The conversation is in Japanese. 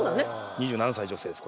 ２７歳女性です。